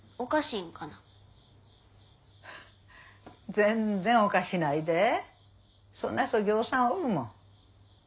全然おかしないでそんな人ぎょうさんおるもん。